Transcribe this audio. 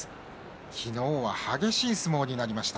昨日は激しい相撲になりました。